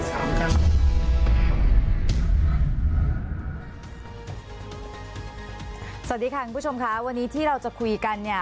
สวัสดีค่ะคุณผู้ชมค่ะวันนี้ที่เราจะคุยกันหรือคราวคล้าย